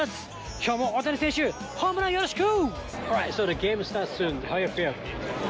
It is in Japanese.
きょうも大谷選手、ホームランよろしく。